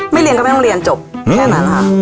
เรียนก็ไม่ต้องเรียนจบแค่นั้นค่ะ